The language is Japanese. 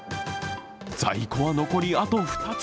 在庫は残りあと２つ。